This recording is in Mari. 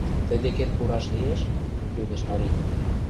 — Тый декет пураш лиеш? — йодеш марий.